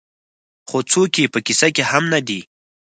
خو څوک یې په کيسه کې هم نه دي.